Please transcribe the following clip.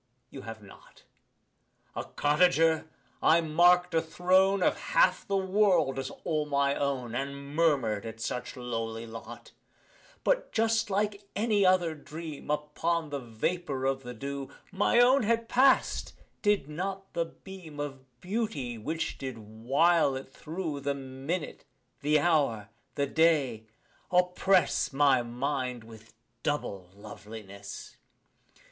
You have not: A cottager, I mark'd a throne Of half the world as all my own, And murmur'd at such lowly lot But, just like any other dream, Upon the vapour of the dew My own had past, did not the beam Of beauty which did while it thro' The minute the hour the day oppress My mind with double loveliness.